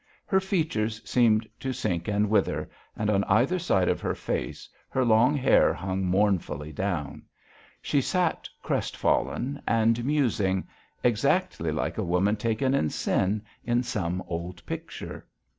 Her features seemed to sink and wither, and on either side of her face her long hair hung mournfully down; she sat crestfallen and musing, exactly like a woman taken in sin in some old picture.